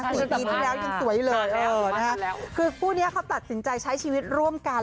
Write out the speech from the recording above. ๔ปีที่แล้วยังสวยเลยคือผู้นี้เขาตัดสินใจใช้ชีวิตร่วมกัน